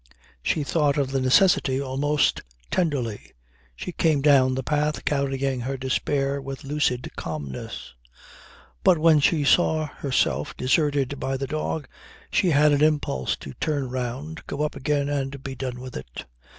She thought of the necessity almost tenderly. She came down the path carrying her despair with lucid calmness. But when she saw herself deserted by the dog, she had an impulse to turn round, go up again and be done with it.